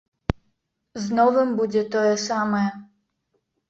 З новым будзе тое самае.